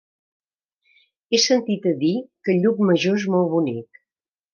He sentit a dir que Llucmajor és molt bonic.